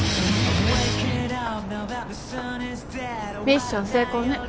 ミッション成功ね。